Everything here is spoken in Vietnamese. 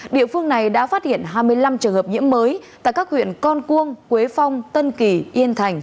địa phương này đã phát hiện hai mươi năm trường hợp nhiễm mới tại các huyện con cuông quế phong tân kỳ yên thành